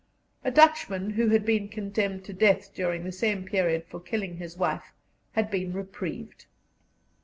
A Dutchman, who had been condemned to death during the same period for killing his wife, had been reprieved.